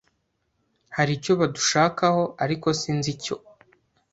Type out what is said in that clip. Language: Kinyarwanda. Hari icyo badushakaho, ariko sinzi icyo.